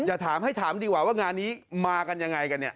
จะถามให้ถามดีกว่าว่างานนี้มากันยังไงกันเนี่ย